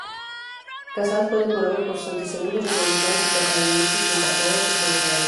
Casals fue depurado por sus antecedentes republicanos y catalanistas y encarcelado por segunda vez.